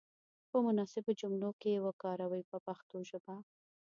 په مناسبو جملو کې یې وکاروئ په پښتو ژبه.